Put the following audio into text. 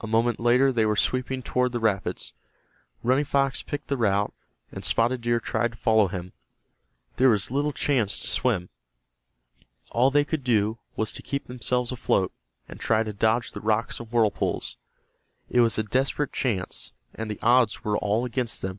A moment later they were sweeping toward the rapids. Running Fox picked the route, and Spotted Deer tried to follow him. There was little chance to swim. All they could do was to keep themselves afloat, and try to dodge the rocks and whirlpools. It was a desperate chance, and the odds were all against them.